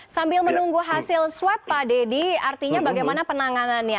sambil menunggu hasil swab pak deddy artinya bagaimana penanganannya